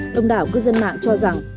đồng đảo cư dân mạng cho rằng